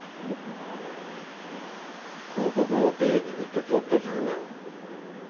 「広告持って入ってくるとゾッとするねおい」。